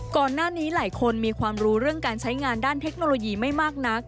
ก่อนหน้านี้หลายคนมีความรู้เรื่องการใช้งานด้านเทคโนโลยีไม่มากนัก